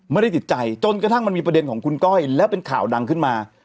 ไม่ได้ติดใจจนกระทั่งมันมีประเด็นของคุณก้อยแล้วเป็นข่าวดังขึ้นมา